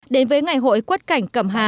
đến với ngày hội quất cảnh cầm hà